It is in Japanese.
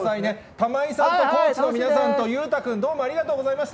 玉井さんとコーチの皆さんと裕太君、どうもありがとうございました。